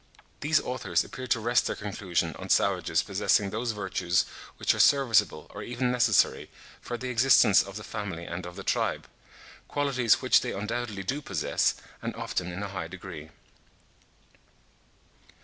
These authors appear to rest their conclusion on savages possessing those virtues which are serviceable, or even necessary, for the existence of the family and of the tribe,—qualities which they undoubtedly do possess, and often in a high degree.